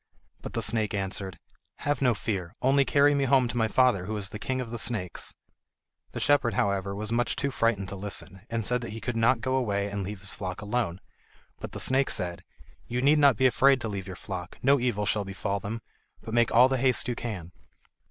But the snake answered: "Have no fear; only carry me home to my father who is the King of the Snakes." The shepherd, however, was much too frightened to listen, and said that he could not go away and leave his flock alone; but the snake said: "You need not be afraid to leave your flock, no evil shall befall them; but make all the haste you can."